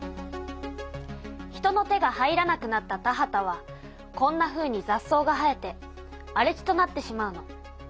人の手が入らなくなった田畑はこんなふうにざっ草が生えてあれ地となってしまうの。